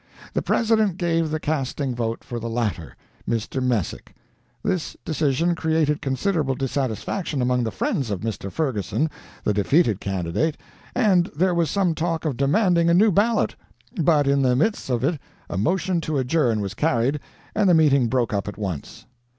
The President gave the casting vote for the latter, Mr. Messick. This decision created considerable dissatisfaction among the friends of Mr. Ferguson, the defeated candidate, and there was some talk of demanding a new ballot; but in the midst of it a motion to adjourn was carried, and the meeting broke up at once.